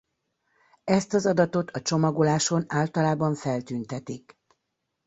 Ezt az adatot a csomagoláson általában feltüntetik.